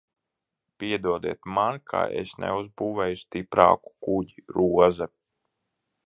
Piedodiet man, ka es neuzbūvēju stiprāku kuģi, Roze!